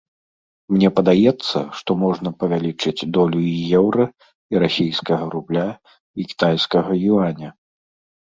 Мне падаецца, што можна павялічыць долю і еўра, і расійскага рубля, і кітайскага юаня.